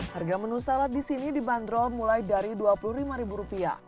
harga menu salad di sini dibanderol mulai dari rp dua puluh lima